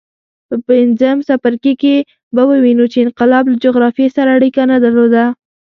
په پنځم څپرکي کې به ووینو چې انقلاب له جغرافیې سره اړیکه نه درلوده.